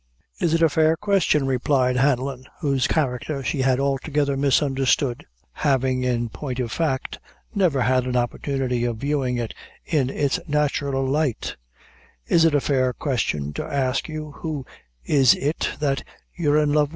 "Is it a fair question," replied Hanlon, whose character she had altogether misunderstood, having, in point of fact, never had an opportunity of viewing it in it's natural light; "is it a fair question to ask you who is it that you're in love wid?"